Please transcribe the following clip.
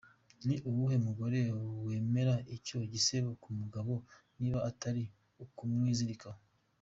Ni uwuhe mugore wemera icyo gisebo ku mugabo niba atari ukumwizirikaho?”.